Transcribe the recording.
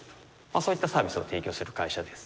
そういったサービスを提供する会社です。